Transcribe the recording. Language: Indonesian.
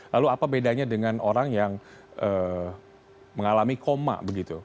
lalu apa bedanya dengan orang yang mengalami koma begitu